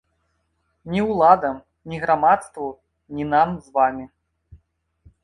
Ні ўладам, ні грамадству, ні нам з вамі.